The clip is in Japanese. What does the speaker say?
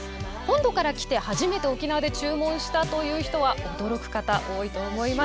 本土から来て初めて沖縄で注文したという人は驚く方多いと思います。